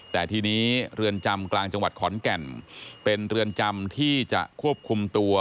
แต่ทีนี้เรือนจำกลางจังหวัดขอนแก่นเป็นเรือนจำที่จะควบคุมตัว